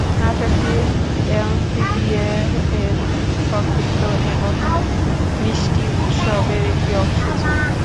নাটকটি এনসিপিএ-এর সংক্ষিপ্ত এবং মিষ্টি উৎসবের একটি অংশ ছিল।